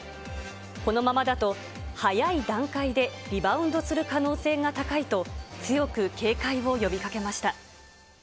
このままだと早い段階でリバウンドする可能性が高いと強く警戒を呼びかけました。